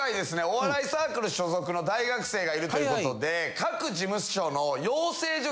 お笑いサークル所属の大学生がいるということで各事務所の養成所